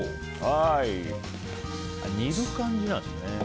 煮る感じなんですね。